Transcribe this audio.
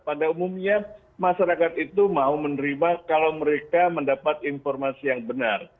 pada umumnya masyarakat itu mau menerima kalau mereka mendapat informasi yang benar